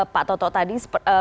pak toto tadi